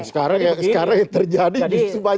sekarang ya terjadi sebanyak seperti itu